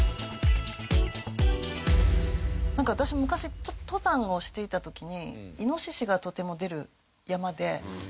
私昔登山をしていた時にイノシシがとても出る山で。